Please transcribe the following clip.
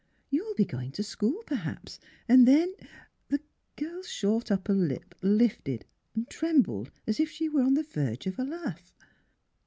You'll be going to school, perhaps, and then " The girl 's short upper lip lifted, trembled, as if she were on the verge of a laugh.